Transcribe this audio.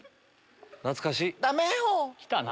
懐かしい。